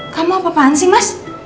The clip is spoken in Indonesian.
kamu apaan sih mas